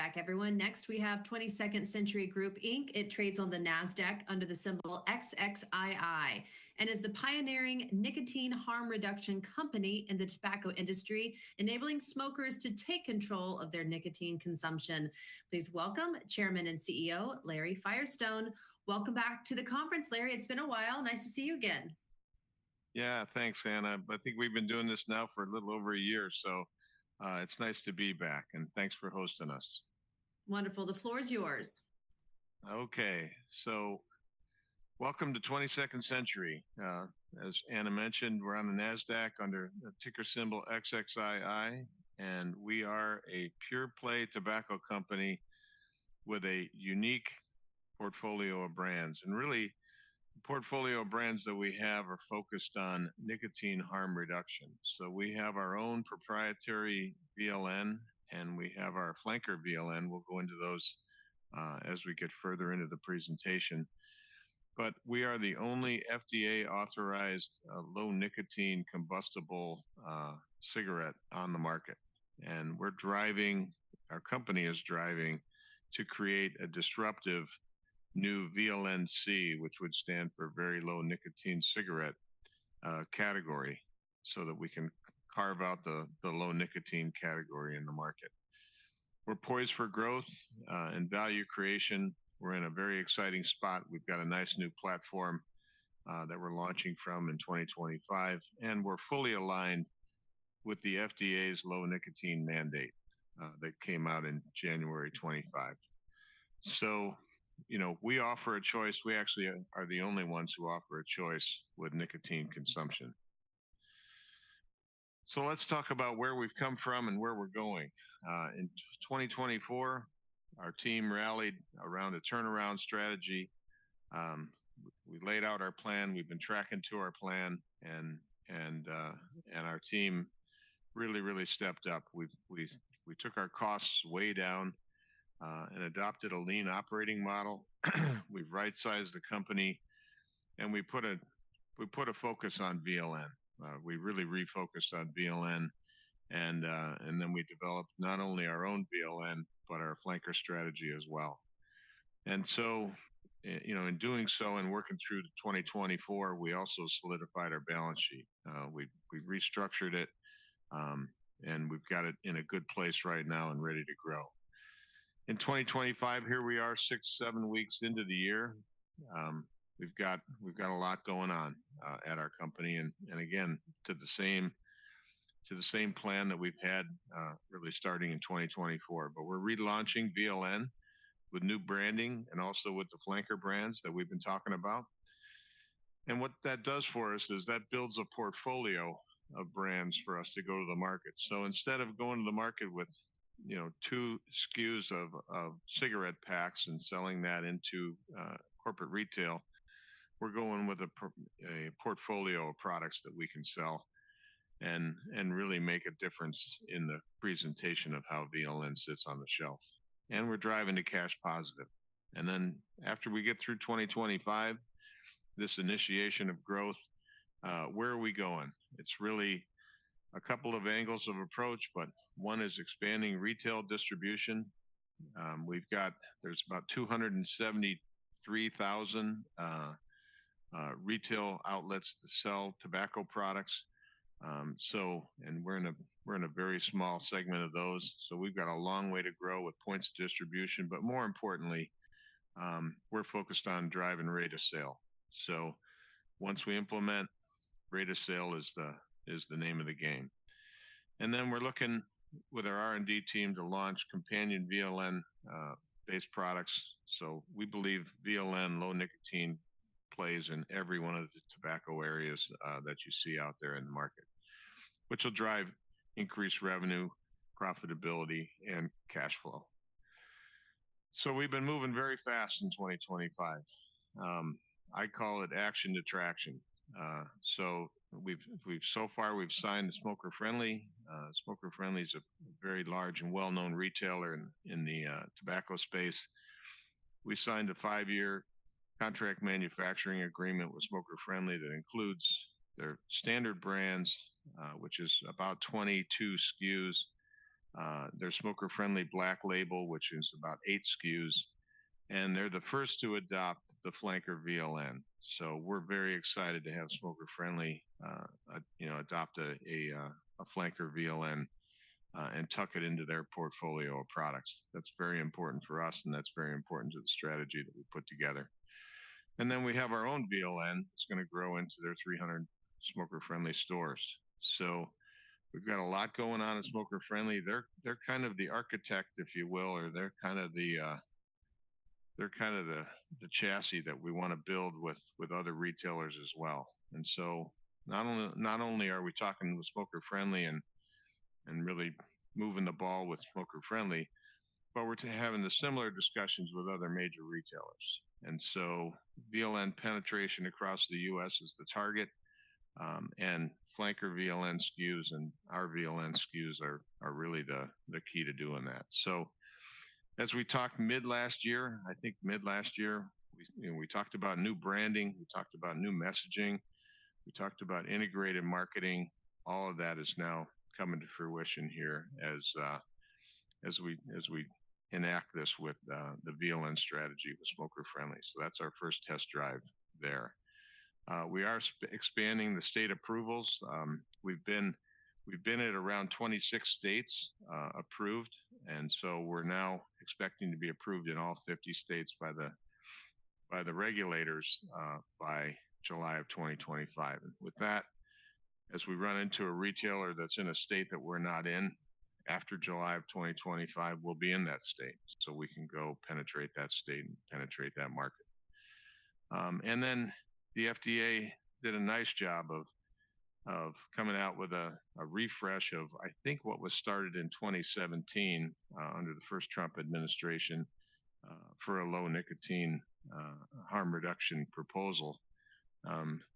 Back, everyone. Next, we have 22nd Century Group. It trades on the NASDAQ under the symbol XXII and is the pioneering nicotine harm reduction company in the tobacco industry, enabling smokers to take control of their nicotine consumption. Please welcome Chairman and CEO Larry Firestone. Welcome back to the conference, Larry. It's been a while. Nice to see you again. Yeah, thanks, Anna. I think we've been doing this now for a little over a year, so it's nice to be back, and thanks for hosting us. Wonderful. The floor is yours. Okay, so welcome to 22nd Century. As Anna mentioned, we're on the NASDAQ under the ticker symbol XXII, and we are a pure-play tobacco company with a unique portfolio of brands. Really, the portfolio of brands that we have are focused on nicotine harm reduction. We have our own proprietary VLN, and we have our Flanker VLN. We'll go into those as we get further into the presentation. We are the only FDA-authorized low-nicotine combustible cigarette on the market, and our company is driving to create a disruptive new VLNC, which would stand for very low-nicotine cigarette category, so that we can carve out the low-nicotine category in the market. We're poised for growth and value creation. We're in a very exciting spot. We've got a nice new platform that we're launching from in 2025, and we're fully aligned with the FDA's low-nicotine mandate that came out in January 2025. You know, we offer a choice. We actually are the only ones who offer a choice with nicotine consumption. Let's talk about where we've come from and where we're going. In 2024, our team rallied around a turnaround strategy. We laid out our plan. We've been tracking to our plan, and our team really, really stepped up. We took our costs way down and adopted a lean operating model. We've right-sized the company, and we put a focus on VLN. We really refocused on VLN, and then we developed not only our own VLN but our Flanker strategy as well. You know, in doing so and working through 2024, we also solidified our balance sheet. We've restructured it, and we've got it in a good place right now and ready to grow. In 2025, here we are, six, seven weeks into the year. We've got a lot going on at our company, and again, to the same plan that we've had really starting in 2024. We're relaunching VLN with new branding and also with the Flanker brands that we've been talking about. What that does for us is that builds a portfolio of brands for us to go to the market. Instead of going to the market with, you know, two SKUs of cigarette packs and selling that into corporate retail, we're going with a portfolio of products that we can sell and really make a difference in the presentation of how VLN sits on the shelf. We're driving to cash positive. After we get through 2025, this initiation of growth, where are we going? It is really a couple of angles of approach, but one is expanding retail distribution. There are about 273,000 retail outlets that sell tobacco products. We are in a very small segment of those. We have a long way to grow with points of distribution. More importantly, we are focused on driving rate of sale. Once we implement, rate of sale is the name of the game. We are looking with our R&D team to launch companion VLN-based products. We believe VLN low nicotine plays in every one of the tobacco areas that you see out there in the market, which will drive increased revenue, profitability, and cash flow. We have been moving very fast in 2025. I call it action to traction. So far, we have signed Smoker Friendly. Smoker Friendly is a very large and well-known retailer in the tobacco space. We signed a five-year contract manufacturing agreement with Smoker Friendly that includes their standard brands, which is about 22 SKUs. There's Smoker Friendly Black Label, which is about eight SKUs, and they're the first to adopt the Flanker VLN. We are very excited to have Smoker Friendly, you know, adopt a Flanker VLN and tuck it into their portfolio of products. That is very important for us, and that is very important to the strategy that we put together. We have our own VLN. It is going to grow into their 300 Smoker Friendly stores. We have a lot going on at Smoker Friendly. They're kind of the architect, if you will, or they're kind of the chassis that we want to build with other retailers as well. Not only are we talking with Smoker Friendly and really moving the ball with Smoker Friendly, but we're having similar discussions with other major retailers. VLN penetration across the US is the target, and Flanker VLN SKUs and our VLN SKUs are really the key to doing that. As we talked mid-last year, I think mid-last year, we talked about new branding. We talked about new messaging. We talked about integrated marketing. All of that is now coming to fruition here as we enact this with the VLN strategy with Smoker Friendly. That's our first test drive there. We are expanding the state approvals. We've been at around 26 states approved, and we're now expecting to be approved in all 50 states by the regulators by July of 2025. With that, as we run into a retailer that's in a state that we're not in, after July of 2025, we'll be in that state so we can go penetrate that state and penetrate that market. The FDA did a nice job of coming out with a refresh of, I think, what was started in 2017 under the first Trump administration for a low nicotine harm reduction proposal.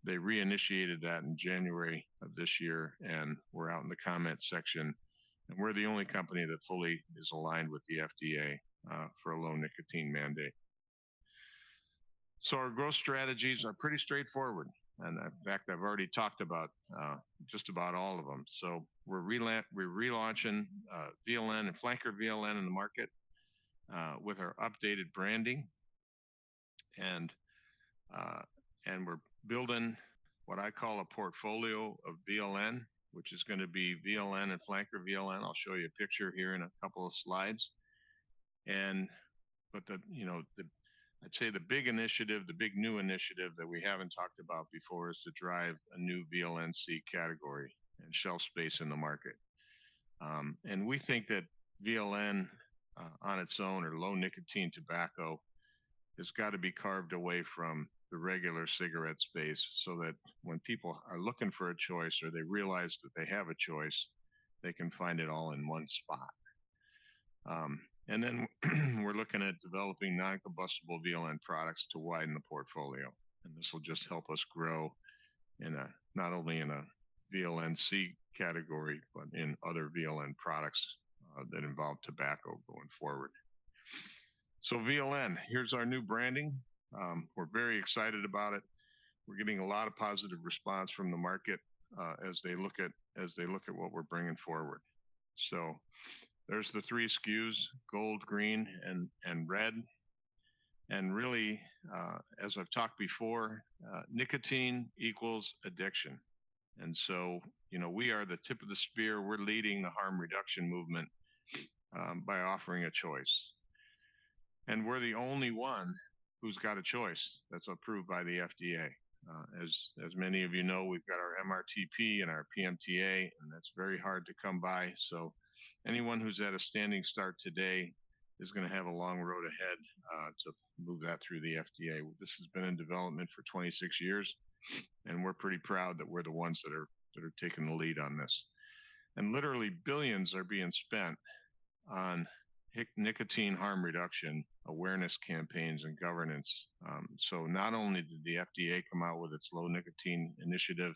They reinitiated that in January of this year, and we're out in the comment section, and we're the only company that fully is aligned with the FDA for a low nicotine mandate. Our growth strategies are pretty straightforward, and in fact, I've already talked about just about all of them. We're relaunching VLN and Flanker VLN in the market with our updated branding, and we're building what I call a portfolio of VLN, which is going to be VLN and Flanker VLN. I'll show you a picture here in a couple of slides. You know, I'd say the big initiative, the big new initiative that we haven't talked about before is to drive a new VLNC category and shelf space in the market. We think that VLN on its own, or low nicotine tobacco, has got to be carved away from the regular cigarette space so that when people are looking for a choice or they realize that they have a choice, they can find it all in one spot. We're looking at developing non-combustible VLN products to widen the portfolio, and this will just help us grow not only in a VLNC category but in other VLN products that involve tobacco going forward. VLN, here's our new branding. We're very excited about it. We're getting a lot of positive response from the market as they look at what we're bringing forward. There's the three SKUs: gold, green, and red. Really, as I've talked before, nicotine equals addiction. You know, we are the tip of the spear. We're leading the harm reduction movement by offering a choice. We're the only one who's got a choice that's approved by the FDA. As many of you know, we've got our MRTP and our PMTA, and that's very hard to come by. Anyone who's at a standing start today is going to have a long road ahead to move that through the FDA. This has been in development for 26 years, and we're pretty proud that we're the ones that are taking the lead on this. Literally, billions are being spent on nicotine harm reduction awareness campaigns and governance. Not only did the FDA come out with its low nicotine initiative,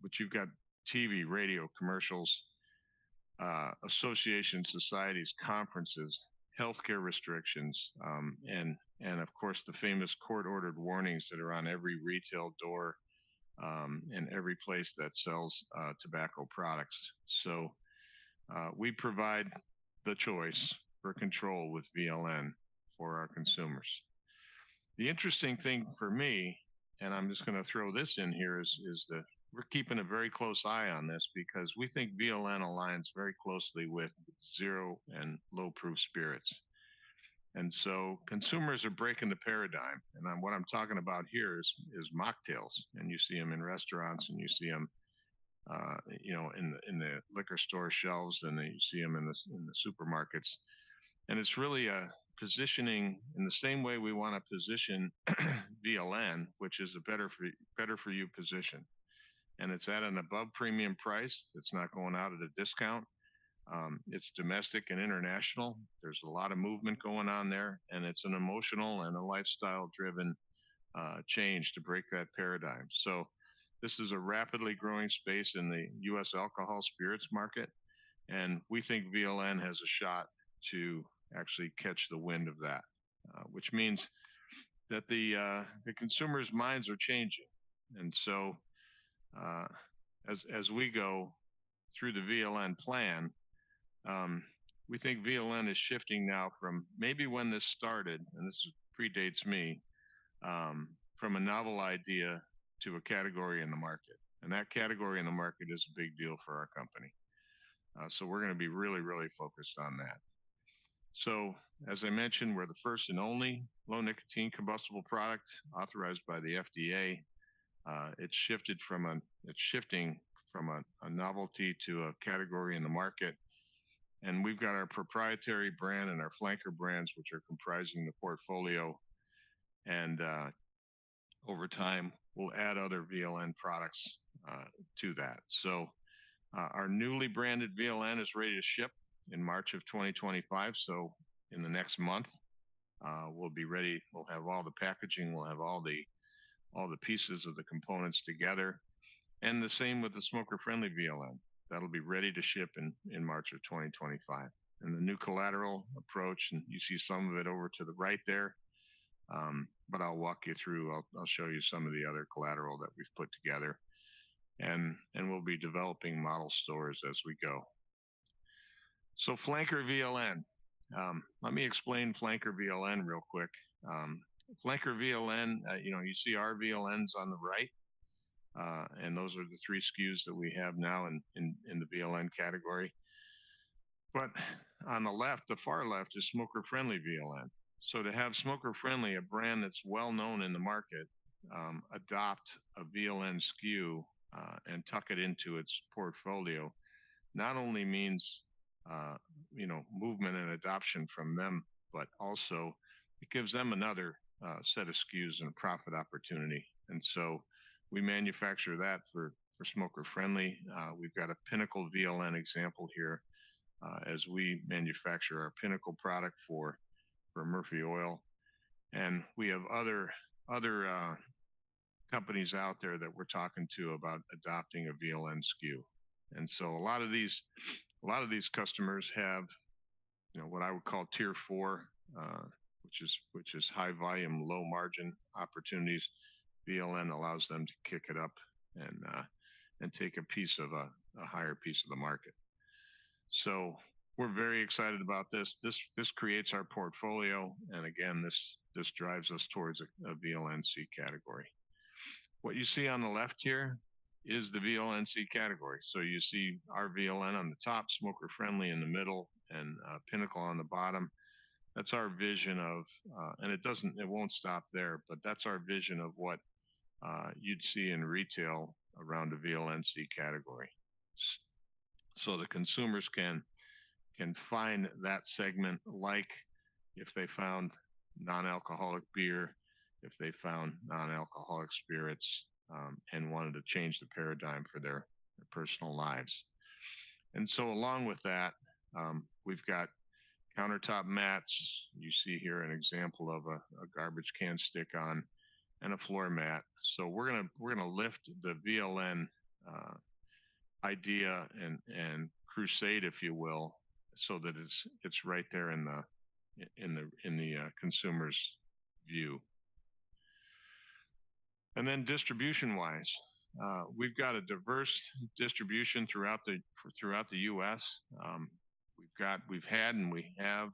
but you've got TV, radio, commercials, associations, societies, conferences, healthcare restrictions, and of course, the famous court-ordered warnings that are on every retail door and every place that sells tobacco products. We provide the choice for control with VLN for our consumers. The interesting thing for me, and I'm just going to throw this in here, is that we're keeping a very close eye on this because we think VLN aligns very closely with zero and low proof spirits. You know, consumers are breaking the paradigm, and what I'm talking about here is mocktails, and you see them in restaurants, and you see them, you know, in the liquor store shelves, and you see them in the supermarkets. It's really positioning in the same way we want to position VLN, which is a better-for-you position. It's at an above premium price. It's not going out at a discount. It's domestic and international. There's a lot of movement going on there, and it's an emotional and a lifestyle-driven change to break that paradigm. This is a rapidly growing space in the US alcohol spirits market, and we think VLN has a shot to actually catch the wind of that, which means that the consumers' minds are changing. As we go through the VLN plan, we think VLN is shifting now from maybe when this started, and this predates me, from a novel idea to a category in the market. That category in the market is a big deal for our company. We are going to be really, really focused on that. As I mentioned, we are the first and only low nicotine combustible product authorized by the FDA. It is shifting from a novelty to a category in the market, and we have got our proprietary brand and our Flanker brands, which are comprising the portfolio. Over time, we will add other VLN products to that. Our newly branded VLN is ready to ship in March of 2025. In the next month, we'll be ready. We'll have all the packaging. We'll have all the pieces of the components together. The same with the Smoker Friendly VLN. That'll be ready to ship in March of 2025. The new collateral approach, and you see some of it over to the right there, but I'll walk you through. I'll show you some of the other collateral that we've put together, and we'll be developing model stores as we go. Flanker VLN, let me explain Flanker VLN real quick. Flanker VLN, you know, you see our VLNs on the right, and those are the 3 SKUs that we have now in the VLN category. On the left, the far left is Smoker Friendly VLN. To have Smoker Friendly, a brand that's well-known in the market, adopt a VLN skew and tuck it into its portfolio not only means, you know, movement and adoption from them, but also it gives them another set of SKUs and profit opportunity. We manufacture that for Smoker Friendly. We've got a Pinnacle VLN example here as we manufacture our Pinnacle product for Murphy Oil. We have other companies out there that we're talking to about adopting a VLN skew. A lot of these customers have, you know, what I would call tier four, which is high volume, low margin opportunities. VLN allows them to kick it up and take a piece of a higher piece of the market. We're very excited about this. This creates our portfolio, and again, this drives us towards a VLNC category. What you see on the left here is the VLNC category. You see our VLN on the top, Smoker Friendly in the middle, and Pinnacle on the bottom. That is our vision of, and it does not, it will not stop there, but that is our vision of what you would see in retail around a VLNC category. The consumers can find that segment like if they found non-alcoholic beer, if they found non-alcoholic spirits, and wanted to change the paradigm for their personal lives. Along with that, we have got countertop mats. You see here an example of a garbage can stick-on and a floor mat. We are going to lift the VLN idea and crusade, if you will, so that it is right there in the consumer's view. Distribution-wise, we have got a diverse distribution throughout the US. We've got, we've had, and we have,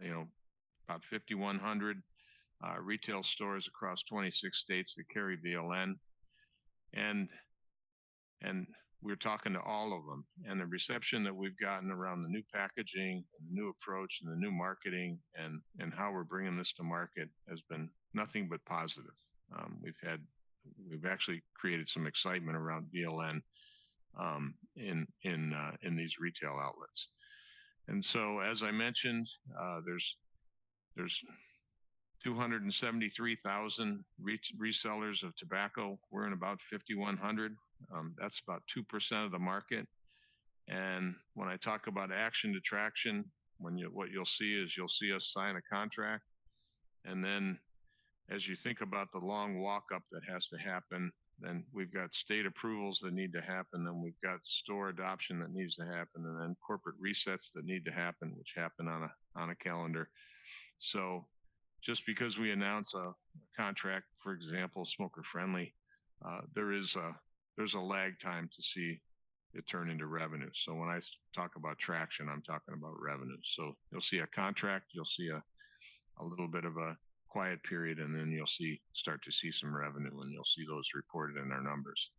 you know, about 5,100 retail stores across 26 states that carry VLN, and we're talking to all of them. The reception that we've gotten around the new packaging and the new approach and the new marketing and how we're bringing this to market has been nothing but positive. We've actually created some excitement around VLN in these retail outlets. As I mentioned, there's 273,000 resellers of tobacco. We're in about 5,100. That's about 2% of the market. When I talk about action to traction, what you'll see is you'll see us sign a contract. As you think about the long walk-up that has to happen, we've got state approvals that need to happen. We've got store adoption that needs to happen, and then corporate resets that need to happen, which happen on a calendar. Just because we announce a contract, for example, Smoker Friendly, there is a lag time to see it turn into revenue. When I talk about traction, I'm talking about revenue. You'll see a contract, you'll see a little bit of a quiet period, and then you'll start to see some revenue, and you'll see those reported in our numbers.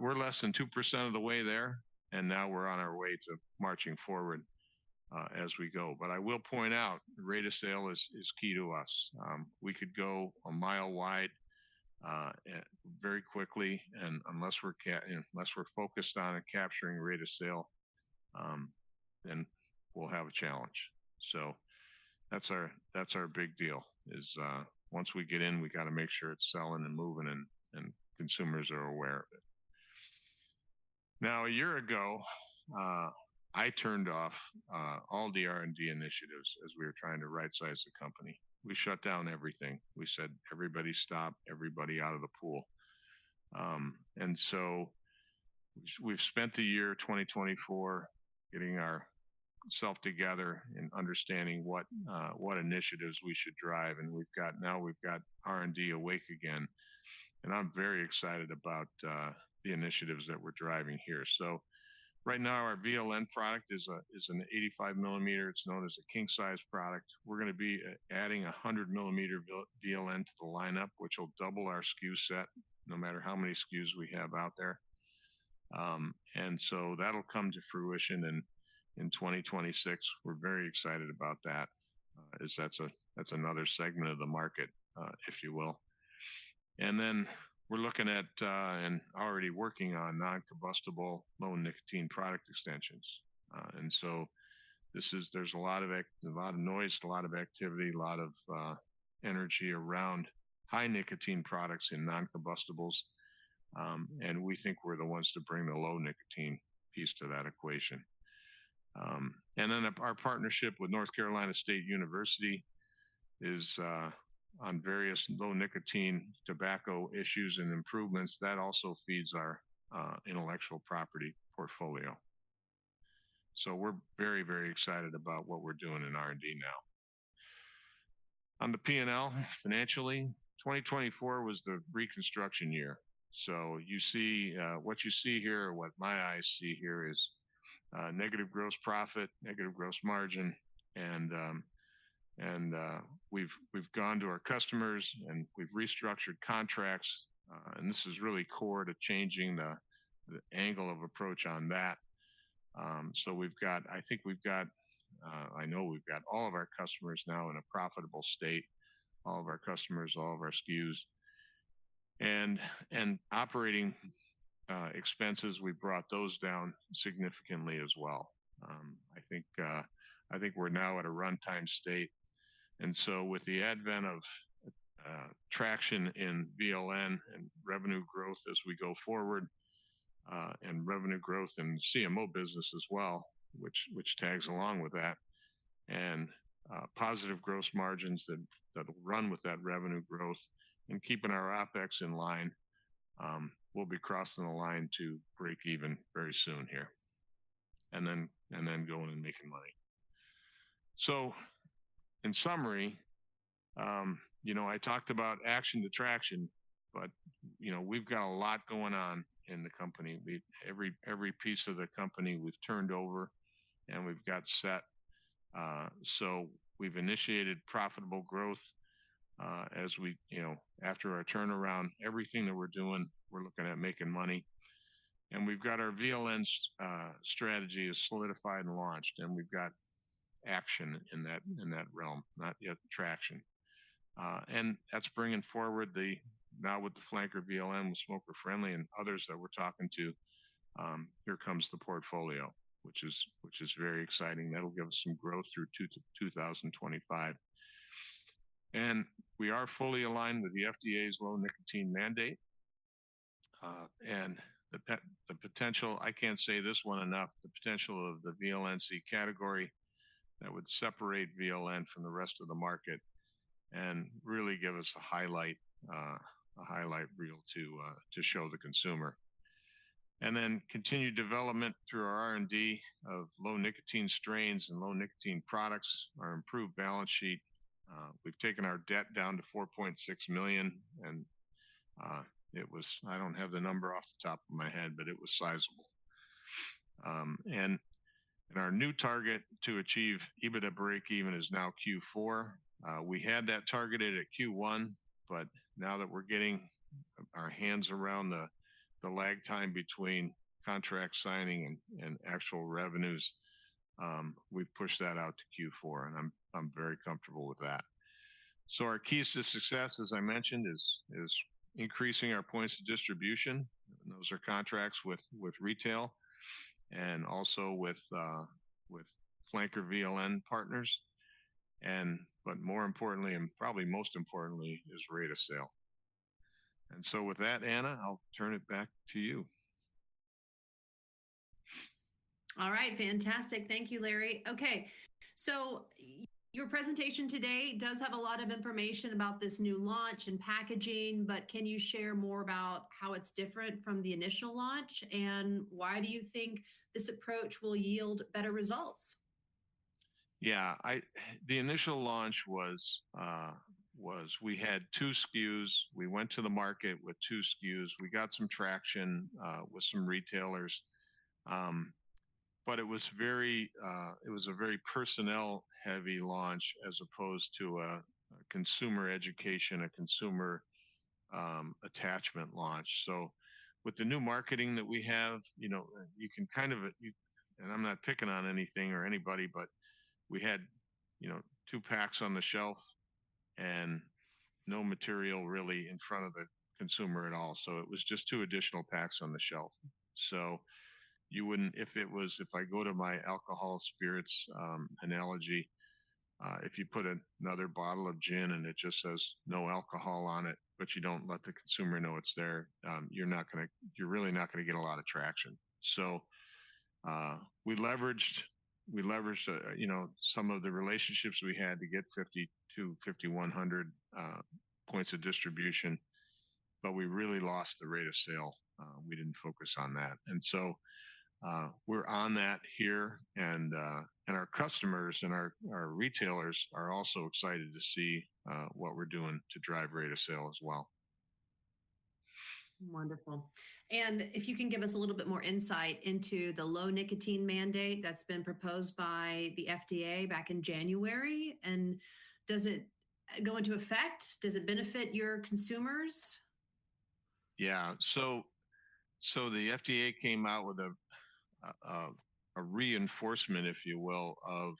We're less than 2% of the way there, and now we're on our way to marching forward as we go. I will point out, rate of sale is key to us. We could go a mile wide very quickly, and unless we're focused on capturing rate of sale, then we'll have a challenge. That's our big deal. Once we get in, we got to make sure it's selling and moving and consumers are aware of it. Now, a year ago, I turned off all the R&D initiatives as we were trying to right-size the company. We shut down everything. We said, "Everybody stop, everybody out of the pool." We spent the year 2024 getting ourselves together and understanding what initiatives we should drive. We've got R&D awake again, and I'm very excited about the initiatives that we're driving here. Right now, our VLN product is an 85 millimeter. It's known as a king-sized product. We're going to be adding a 100 millimeter VLN to the lineup, which will double our skew set no matter how many SKUs we have out there. That will come to fruition in 2026. We're very excited about that as that's another segment of the market, if you will. We're looking at and already working on non-combustible low nicotine product extensions. There is a lot of noise, a lot of activity, a lot of energy around high nicotine products and non-combustibles. We think we're the ones to bring the low nicotine piece to that equation. Our partnership with North Carolina State University is on various low nicotine tobacco issues and improvements. That also feeds our intellectual property portfolio. We're very, very excited about what we're doing in R&D now. On the P&L financially, 2024 was the reconstruction year. You see what you see here, what my eyes see here is negative gross profit, negative gross margin. We've gone to our customers and we've restructured contracts. This is really core to changing the angle of approach on that. We've got, I think we've got, I know we've got all of our customers now in a profitable state, all of our customers, all of our SKUs. Operating expenses, we brought those down significantly as well. I think we're now at a runtime state. With the advent of traction in VLN and revenue growth as we go forward and revenue growth in CMO business as well, which tags along with that and positive gross margins that will run with that revenue growth and keeping our OpEx in line, we'll be crossing the line to break even very soon here and then going and making money. In summary, you know, I talked about action to traction, but you know, we've got a lot going on in the company. Every piece of the company we've turned over and we've got set. We've initiated profitable growth as we, you know, after our turnaround, everything that we're doing, we're looking at making money. We've got our VLN strategy is solidified and launched, and we've got action in that realm, not yet traction. That's bringing forward the, now with the Flanker VLN, with Smoker Friendly and others that we're talking to, here comes the portfolio, which is very exciting. That'll give us some growth through 2025. We are fully aligned with the FDA's low nicotine mandate and the potential, I can't say this one enough, the potential of the VLNC category that would separate VLN from the rest of the market and really give us a highlight, a highlight reel to show the consumer. Then continued development through our R&D of low nicotine strains and low nicotine products, our improved balance sheet. We've taken our debt down to $4.6 million, and it was, I don't have the number off the top of my head, but it was sizable. Our new target to achieve EBITDA break-even is now Q4. We had that targeted at Q1, but now that we're getting our hands around the lag time between contract signing and actual revenues, we've pushed that out to Q4, and I'm very comfortable with that. Our keys to success, as I mentioned, is increasing our points of distribution. Those are contracts with retail and also with Flanker VLN partners. More importantly, and probably most importantly, is rate of sale. With that, Anna, I'll turn it back to you. All right. Fantastic. Thank you, Larry. Okay. Your presentation today does have a lot of information about this new launch and packaging, but can you share more about how it's different from the initial launch and why do you think this approach will yield better results? Yeah. The initial launch was, we had 2 SKUs. We went to the market with two SKUs. We got some traction with some retailers, but it was very, it was a very personnel-heavy launch as opposed to a consumer education, a consumer attachment launch. With the new marketing that we have, you know, you can kind of, and I'm not picking on anything or anybody, but we had, you know, two packs on the shelf and no material really in front of the consumer at all. It was just two additional packs on the shelf. You wouldn't, if it was, if I go to my alcohol spirits analogy, if you put another bottle of gin and it just says no alcohol on it, but you don't let the consumer know it's there, you're not going to, you're really not going to get a lot of traction. We leveraged, you know, some of the relationships we had to get 5,200, 5,100 points of distribution, but we really lost the rate of sale. We didn't focus on that. We're on that here, and our customers and our retailers are also excited to see what we're doing to drive rate of sale as well. Wonderful. If you can give us a little bit more insight into the low nicotine mandate that's been proposed by the FDA back in January, and does it go into effect? Does it benefit your consumers? Yeah. The FDA came out with a reinforcement, if you will, of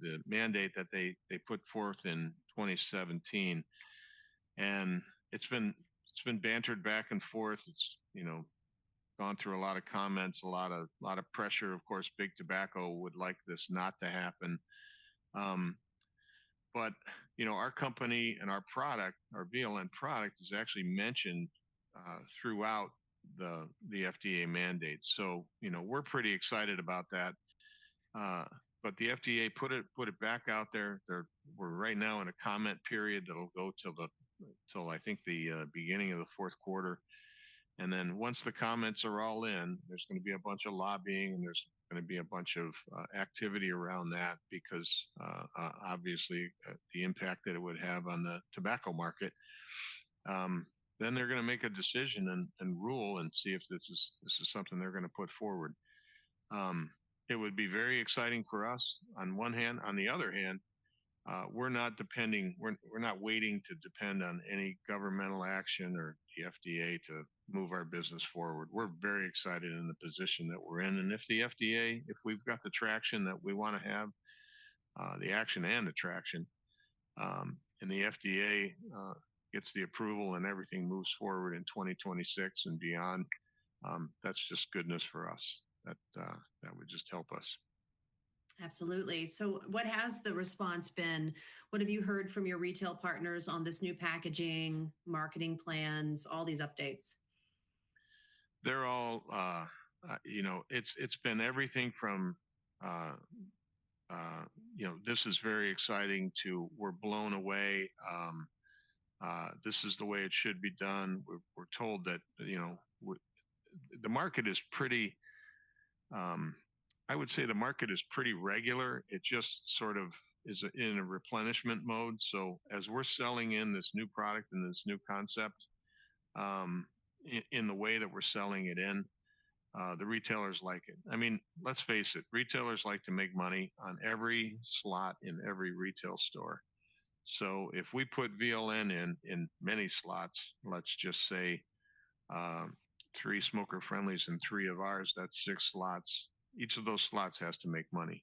the mandate that they put forth in 2017. It's been bantered back and forth. It's, you know, gone through a lot of comments, a lot of pressure. Of course, big tobacco would like this not to happen. You know, our company and our product, our VLN product is actually mentioned throughout the FDA mandate. You know, we're pretty excited about that. The FDA put it back out there. We're right now in a comment period that'll go till the, till I think the beginning of the fourth quarter. Once the comments are all in, there's going to be a bunch of lobbying and there's going to be a bunch of activity around that because obviously the impact that it would have on the tobacco market. They are going to make a decision and rule and see if this is something they are going to put forward. It would be very exciting for us on one hand. On the other hand, we are not depending, we are not waiting to depend on any governmental action or the FDA to move our business forward. We are very excited in the position that we are in. If the FDA, if we have got the traction that we want to have, the action and the traction, and the FDA gets the approval and everything moves forward in 2026 and beyond, that is just good news for us. That would just help us. Absolutely. What has the response been? What have you heard from your retail partners on this new packaging, marketing plans, all these updates? They are all, you know, it has been everything from, you know, this is very exciting to we are blown away. This is the way it should be done. We're told that, you know, the market is pretty, I would say the market is pretty regular. It just sort of is in a replenishment mode. As we're selling in this new product and this new concept in the way that we're selling it in, the retailers like it. I mean, let's face it, retailers like to make money on every slot in every retail store. If we put VLN in many slots, let's just say three Smoker Friendlys and three of ours, that's six slots. Each of those slots has to make money.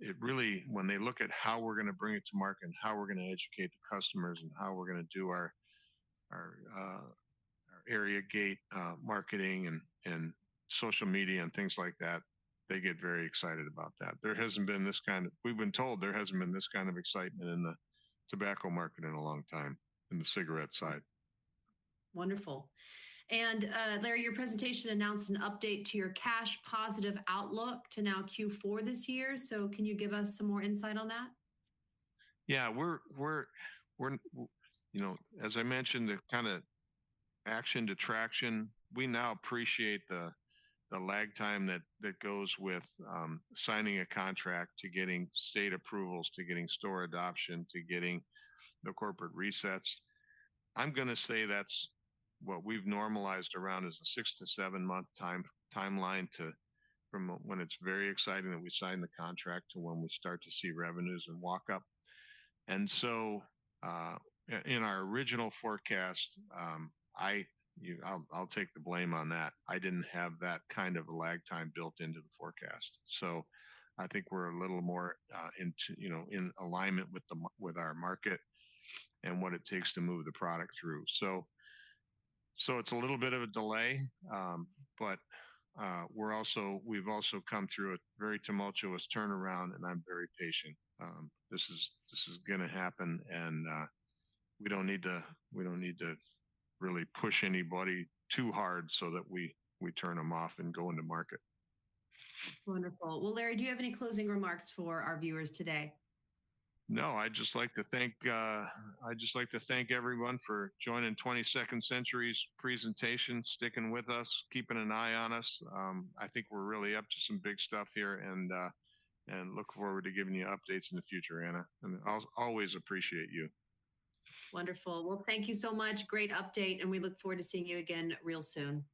It really, when they look at how we're going to bring it to market and how we're going to educate the customers and how we're going to do our area gate marketing and social media and things like that, they get very excited about that. There hasn't been this kind of, we've been told there hasn't been this kind of excitement in the tobacco market in a long time in the cigarette side. Wonderful. Larry, your presentation announced an update to your cash positive outlook to now Q4 this year. Can you give us some more insight on that? Yeah. We're, you know, as I mentioned, the kind of action to traction, we now appreciate the lag time that goes with signing a contract, to getting state approvals, to getting store adoption, to getting the corporate resets. I'm going to say that's what we've normalized around is a six to seven month timeline from when it's very exciting that we sign the contract to when we start to see revenues and walk up. In our original forecast, I'll take the blame on that. I didn't have that kind of a lag time built into the forecast. I think we're a little more in alignment with our market and what it takes to move the product through. It's a little bit of a delay, but we've also come through a very tumultuous turnaround and I'm very patient. This is going to happen and we don't need to really push anybody too hard so that we turn them off and go into market. Wonderful. Larry, do you have any closing remarks for our viewers today? I'd just like to thank everyone for joining 22nd Century's presentation, sticking with us, keeping an eye on us. I think we're really up to some big stuff here and look forward to giving you updates in the future, Anna. I always appreciate you. Wonderful. Thank you so much. Great update and we look forward to seeing you again real soon.